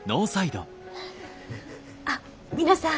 あっ皆さん。